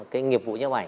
cái nghiệp vụ nhóm ảnh